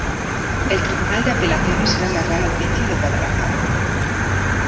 El tribunal de apelaciones era la Real Audiencia de Guadalajara.